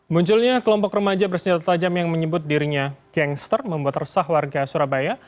munculnya kelompok remaja bersenjata tajam yang menyebut dirinya gangster membuat resah warga surabaya